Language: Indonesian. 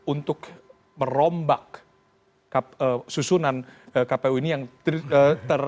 untuk merombak susunan kpu ini yang ter